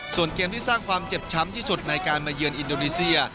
ส่วนเกมที่สร้างความเจ็บช้ำที่สุดในการมาเยือนอินโดนีเซีย